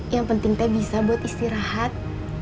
yang penting teh bisa buat istirahat